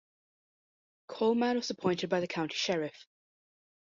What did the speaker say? Coleman was appointed by the county sheriff.